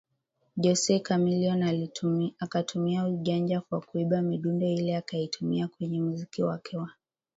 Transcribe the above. Jose Chameleone akatumia ujanja kwa kuiba midundo ile akaitumia kwenye muziki wake wa